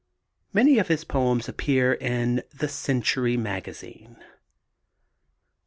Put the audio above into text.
Many of his poems appeared in The Century Magazine.